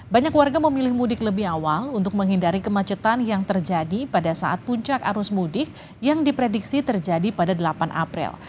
banyak warga memilih mudik lebih awal untuk menghindari kemacetan yang terjadi pada saat puncak arus mudik yang diprediksi terjadi pada delapan april